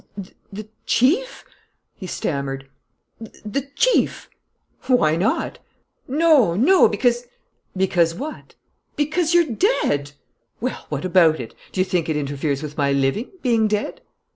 "The chief!" he stammered. "The chief!" "Why not?" "No, no, because " "Because what?" "Because you're dead." "Well, what about it? D'you think it interferes with my living, being dead?"